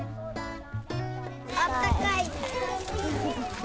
あったかいね。